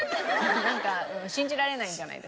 なんか信じられないんじゃないですか？